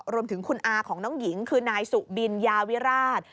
รวมถึงคุณอาของน้องหญิงคือนายสุบินยาวิราช